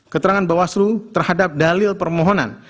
lima keterangan bahwa asal terhadap dalil permohonan